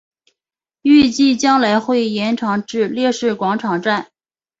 预计将来会延长至烈士广场站。